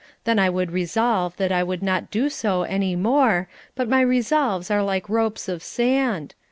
Then I would resolve that I would not do so any more, but my resolves are like ropes of sand.